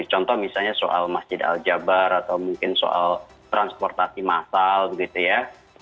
contoh misalnya soal masjid al jabar atau mungkin soal transportasi massal begitu ya